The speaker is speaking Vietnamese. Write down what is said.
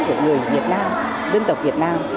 của người việt nam dân tộc việt nam